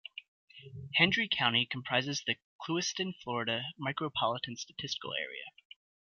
Hendry County comprises the Clewiston, Fla. Micropolitan Statistical Area.